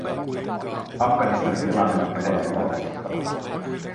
Afganistanin tilanne on edelleen huolestuttava.